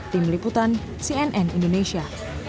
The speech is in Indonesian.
tim liputan cnn indonesia